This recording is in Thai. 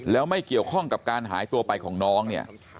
แล้วไม่เกี่ยวข้องกับการหายตัวไปของน้องเนี่ย